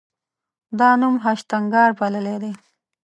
دا نوم هشتنګار بللی دی.